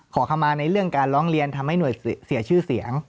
ขอเข้ามาในเรื่องการร้องเรียนทำให้หน่วยเสียชื่อเสียง